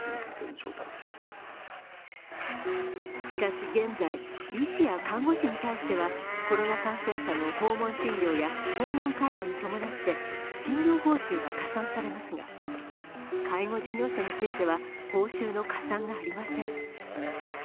しかし現在、医師や看護師に対してはコロナ感染者の訪問診療や訪問介護に伴って診療報酬が加算されますが、介護事業者については報酬の加算がありません。